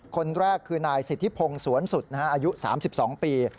คนแรกคือนายสิทธิพงศ์สวนสุดอายุ๓๒ปี